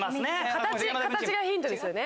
形がヒントですよね？